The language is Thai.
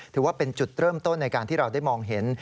ถือว่าเป็นจุดเริ่มต้นในการที่เราได้มองเห็น